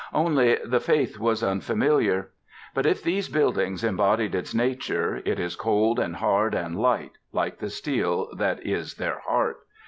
Only, the faith was unfamiliar. But if these buildings embodied its nature, it is cold and hard and light, like the steel that is their heart.